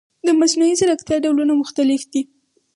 د مصنوعي ځیرکتیا ډولونه مختلف دي.